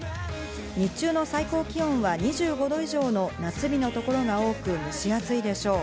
日中の最高気温は２５度以上の夏日の所が多く、蒸し暑いでしょう。